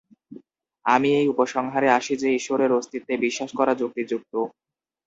আমি এই উপসংহারে আসি যে, ঈশ্বরের অস্তিত্বে বিশ্বাস করা যুক্তিযুক্ত।